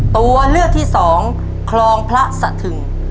ตัวเลือกที่สองคลองพระสะทึง